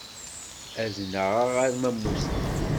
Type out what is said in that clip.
Ad nnaɣeɣ arma mmuteɣ.